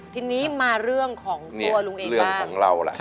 ทีนี้มาเรื่องของตัวลุงเองเรื่องของเราล่ะ